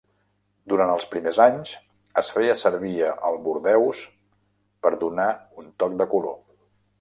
Durant els primers anys, es feia servir el bordeus per donar un toc de color.